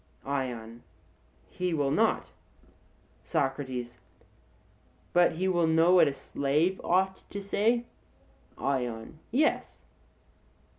ION: He will not. SOCRATES: But he will know what a slave ought to say? ION: Yes.